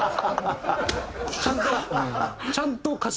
ちゃんと。